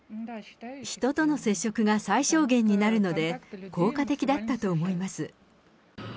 人との接触が最小限になるので、効果的だったと思います。